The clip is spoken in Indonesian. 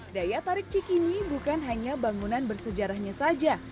daya tarik cikini bukan hanya bangunan bersejarahnya saja